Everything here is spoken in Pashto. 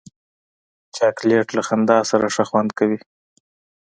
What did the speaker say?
چاکلېټ له خندا سره ښه خوند کوي.